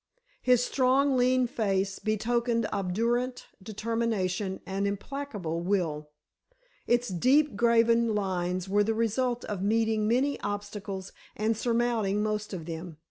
His strong, lean face betokened obdurate determination and implacable will. Its deep graven lines were the result of meeting many obstacles and surmounting most of them.